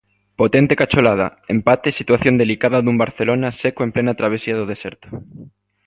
Potente cacholada, empate e situación delicada dun Barcelona seco en plena travesía do deserto.